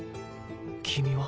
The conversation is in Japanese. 君は？